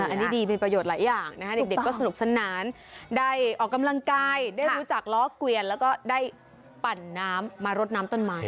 อันนี้ดีเป็นประโยชน์หลายอย่างนะคะเด็กก็สนุกสนานได้ออกกำลังกายได้รู้จักล้อเกวียนแล้วก็ได้ปั่นน้ำมารดน้ำต้นไม้